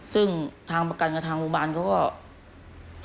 ซึ่งทางประกันกับทางโรงพยาบาลเขาก็